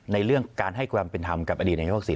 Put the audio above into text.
เรื่องการให้ความเป็นธรรมกับอดีตนายกศิ